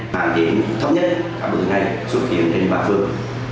tạm kiếm thấp nhất các đối tượng này xuất hiện đến bàn phường